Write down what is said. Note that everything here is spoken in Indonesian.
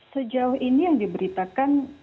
sejauh ini yang diberitakan